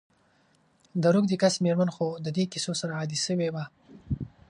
د روږدې کس میرمن خو د دي کیسو سره عادي سوي وه.